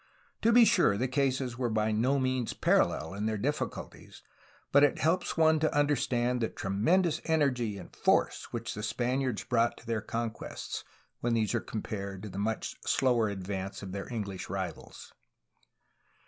To be sure, the cases were by no means parallel in their difficulties, but it helps one to understand the tremendous energy and force which the Spaniards brought to their conquests, when these are compared to the much slower advance of their English rivals.